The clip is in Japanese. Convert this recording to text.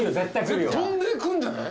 跳んでくんじゃない？